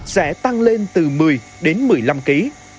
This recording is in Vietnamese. sẽ tăng lên từ một mươi đến một mươi năm kg